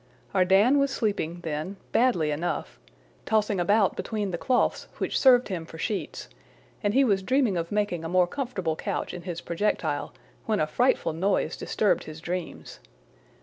Ardan was sleeping, then, badly enough, tossing about between the cloths which served him for sheets, and he was dreaming of making a more comfortable couch in his projectile when a frightful noise disturbed his dreams.